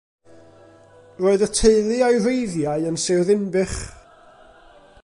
Roedd y teulu a'i wreiddiau yn Sir Ddinbych.